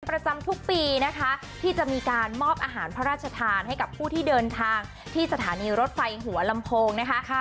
ประจำทุกปีนะคะที่จะมีการมอบอาหารพระราชทานให้กับผู้ที่เดินทางที่สถานีรถไฟหัวลำโพงนะคะ